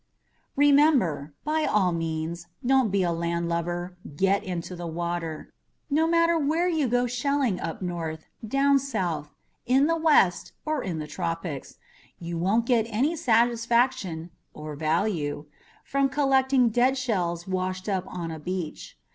REMEMBER by all means, don't be a landlubber. Get into the water. No matter whether you go shelling up North, down South, in the West or in the Tropics, you won't get any satisfaction (or value) from collecting dead shells washed up on a beach.